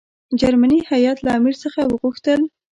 جرمني هیات له امیر څخه وغوښتل.